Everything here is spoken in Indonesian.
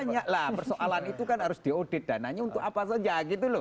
banyak lah persoalan itu kan harus diaudit dananya untuk apa saja gitu loh